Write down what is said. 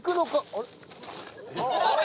あれ？